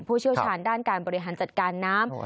เชี่ยวชาญด้านการบริหารจัดการน้ำ